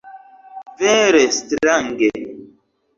Vere strange!